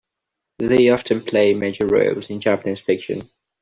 They often play major roles in Japanese fiction.